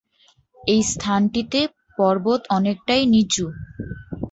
এই স্থানটিতে পর্বত অনেকটাই নিচু।